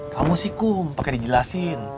kamu sih kum pakai dijelasin